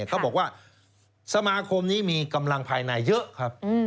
เขาบอกว่าสมาคมนี้มีกำลังภายในเยอะครับ